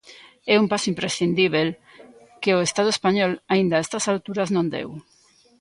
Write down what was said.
É un paso imprescindíbel que o estado español aínda a estas alturas non deu.